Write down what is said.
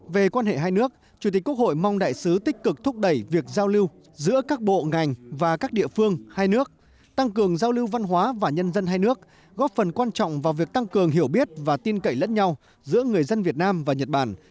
về quan hệ hai nước chủ tịch quốc hội mong đại sứ tích cực thúc đẩy việc giao lưu giữa các bộ ngành và các địa phương hai nước tăng cường giao lưu văn hóa và nhân dân hai nước góp phần quan trọng vào việc tăng cường hiểu biết và tin cậy lẫn nhau giữa người dân việt nam và nhật bản